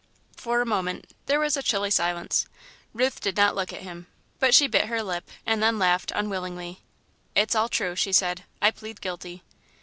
For a moment, there was a chilly silence. Ruth did not look at him, but she bit her lip and then laughed, unwillingly. "'It's all true," she said, "I plead guilty."